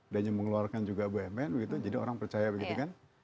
dan mengeluarkan juga bnn begitu jadi orang percaya begitu kan